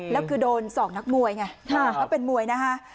แล้วคือโดน๒นักมวยไงเขาเป็นมวยนะฮะ